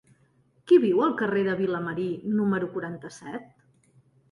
Qui viu al carrer de Vilamarí número quaranta-set?